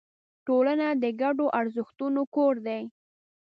ټولنه د ګډو ارزښتونو کور دی.